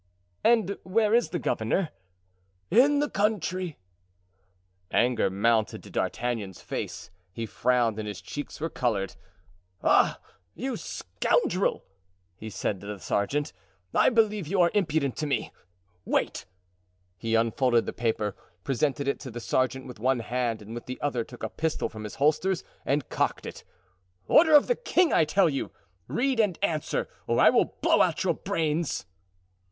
"And where is the governor?" "In the country." Anger mounted to D'Artagnan's face; he frowned and his cheeks were colored. "Ah, you scoundrel!" he said to the sergeant, "I believe you are impudent to me! Wait!" He unfolded the paper, presented it to the sergeant with one hand and with the other took a pistol from his holsters and cocked it. "Order of the king, I tell you. Read and answer, or I will blow out your brains!"